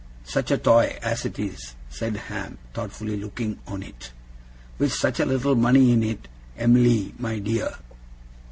Such a toy as it is!' said Ham, thoughtfully looking on it. 'With such a little money in it, Em'ly my dear.